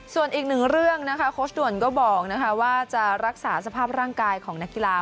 ส่วนอีกหนึ่งเรื่องนะคะโค้ชด่วนก็บอกว่าจะรักษาสภาพร่างกายของนักกีฬา